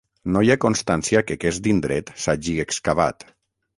No hi ha constància que aquest indret s'hagi excavat.